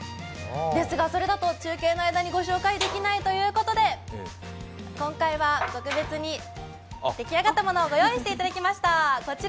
ですがそれだと中継の間に御紹介できないということで今回は特別に出来上がったものをご用意していただきました。